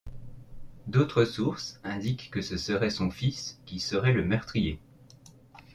D'autres sources indiquent que ce serait son fils qui serait le meurtrier.